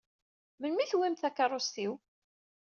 Melmi i tewwimt takeṛṛust-iw?